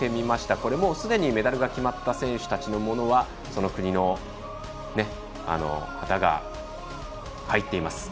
これ、すでにメダルが決まった選手たちのものはその国の旗が入っています。